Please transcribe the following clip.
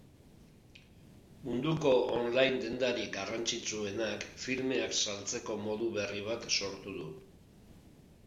Munduko on-line dendarik garrantzitsuenak filmeak saltzeko modu berri bat sortu du.